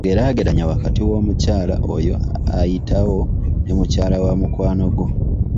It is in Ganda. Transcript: Geraageranya wakati w'omukyala oyo ayitawo ne mukyala wa mukwano gwo.